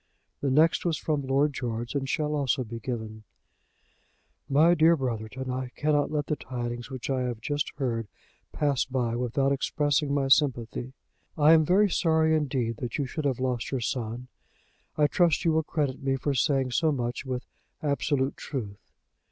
The next was from Lord George, and shall also be given: "MY DEAR BROTHERTON, I cannot let the tidings which I have just heard pass by without expressing my sympathy. I am very sorry indeed that you should have lost your son. I trust you will credit me for saying so much with absolute truth.